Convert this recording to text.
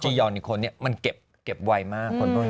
จียอนอีกคนมันเก็บไวมาก